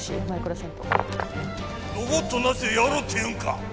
「ロボットなしでやろうっていうんか？」